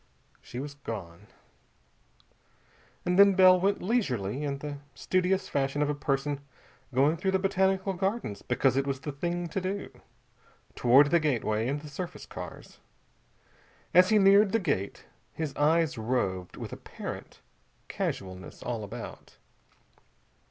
She was gone. And then Bell went leisurely, in the studious fashion of a person going through the Botanical Gardens because it was the thing to do, toward the gateway and the surface cars. As he neared the gate his eyes roved with apparent casualness all about.